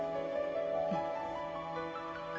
うん。